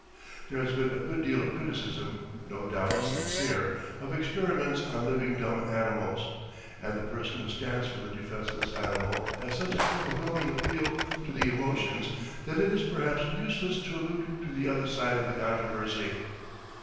There has been a good deal of criticism, no doubt sincere, of experiments on living dumb animals, and the person who stands for the defenceless animal has such an overwhelming appeal to the emotions that it is perhaps useless to allude to the other side of the controversy.